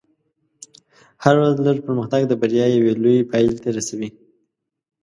هره ورځ لږ پرمختګ د بریا یوې لوېې پایلې ته رسوي.